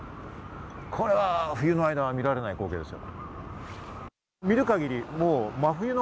これは冬の間は見られない光景ですよ。